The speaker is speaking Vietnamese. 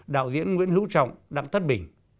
đạo diễn nguyễn hữu trọng đặng thất bình